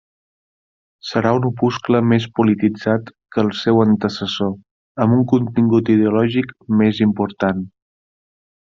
Serà un opuscle més polititzat que el seu antecessor, amb un contingut ideològic més important.